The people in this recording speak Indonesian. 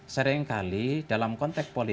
seringkali dalam konteks politik